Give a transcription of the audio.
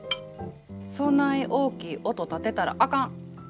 そない大きい音立てたらあかん！